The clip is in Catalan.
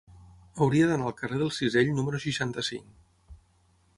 Hauria d'anar al carrer del Cisell número seixanta-cinc.